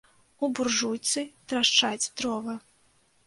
У буржуйцы трашчаць дровы.